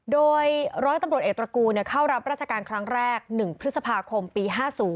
โดยร้อยตำรวจเอกตระกูลเข้ารับราชการครั้งแรก๑พฤษภาคมปี๕๐